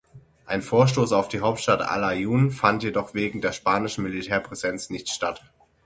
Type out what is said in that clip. Ein Vorstoß auf die Hauptstadt Al-Aiun fand jedoch wegen der spanischen Militärpräsenz nicht statt.